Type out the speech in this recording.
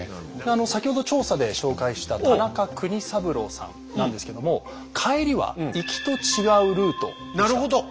先ほど調査で紹介した田中国三郎さんなんですけども帰りは行きと違うルートでした。